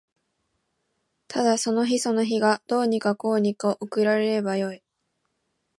ただその日その日がどうにかこうにか送られればよい